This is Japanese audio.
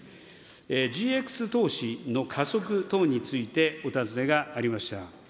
ＧＸ投資の加速等についてお尋ねがありました。